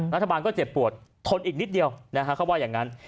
รัฐบาลก็เจ็บปวดทนอีกนิดเดียวนะฮะเขาว่าอย่างนั้น